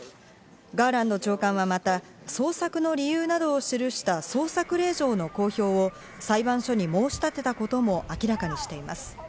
ガーランド長官はまた捜索の理由などを記した捜索令状の公表を裁判所に申し立てたことも明らかにしています。